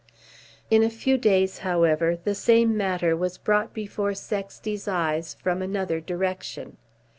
In a few days, however, the same matter was brought before Sexty's eyes from another direction.